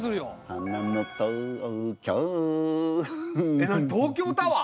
えっ何東京タワー？